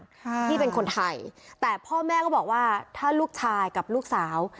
ค่ะที่เป็นคนไทยแต่พ่อแม่ก็บอกว่าถ้าลูกชายกับลูกสาว